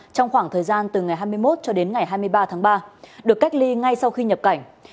trong khoảng thời gian từ ngày hai mươi một cho đến ngày hai mươi ba tháng ba được cách ly ngay sau khi nhập cảnh